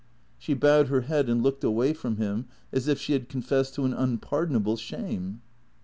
She bowed her head and looked away from him as if she had confessed to an unpardonable shame.